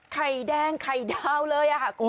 ไข่แดงไข่ดาวเลยค่ะคุณ